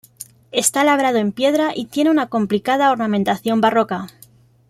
Está labrado en piedra y tiene una complicada ornamentación barroca.